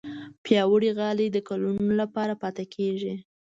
پیاوړې غالۍ د کلونو لپاره پاتې کېږي.